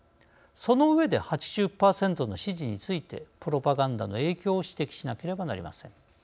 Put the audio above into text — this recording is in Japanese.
その上で８０％の支持についてプロパガンダの影響を指摘しなければなりません。